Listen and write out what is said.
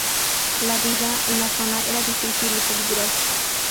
La vida en la zona era difícil y peligrosa.